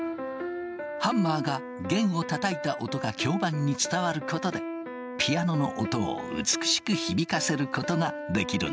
ハンマーが弦をたたいた音が響板に伝わることでピアノの音を美しく響かせることができるんだ。